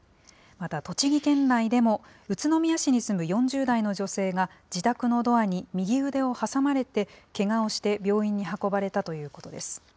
また栃木県内でも、宇都宮市に住む４０代の女性が、自宅のドアに右腕を挟まれてけがをして病院に運ばれたということです。